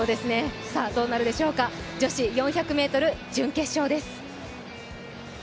さあどうなるでしょうか、女子４００ｍ準決勝です。